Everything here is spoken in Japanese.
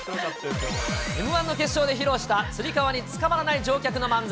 Ｍー１の決勝で披露したつり革につかまらない乗客の漫才。